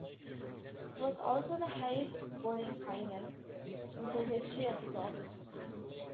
It was also the highest-scoring final in the history of the tournament.